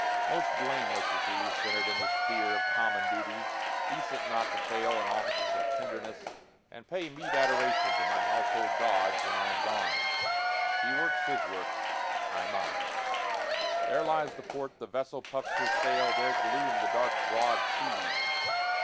Most blameless is he, centred in the sphereOf common duties, decent not to failIn offices of tenderness, and payMeet adoration to my household gods, When I am gone. He works his work, I mine. There lies the port; the vessel puffs her sail:There gloom the dark broad seas.